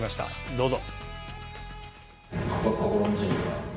どうぞ。